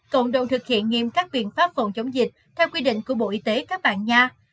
cộng đồng thực hiện nghiêm các biện pháp phòng chống dịch theo quy định của bộ y tế các bạn nga